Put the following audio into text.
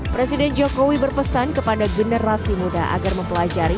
presiden jokowi berpesan kepada generasi muda agar mempelajari